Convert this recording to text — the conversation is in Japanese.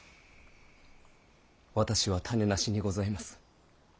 私は種無しにございます！